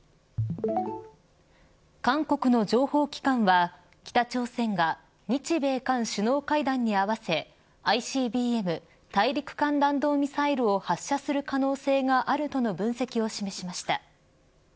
韓国の情報機関は北朝鮮が日米韓首脳会談に合わせＩＣＢＭ＝大陸間弾道ミサイルを発射する可能性があるとの分析を示しました。